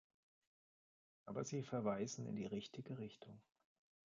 Aber Sie verweisen in die richtige Richtung.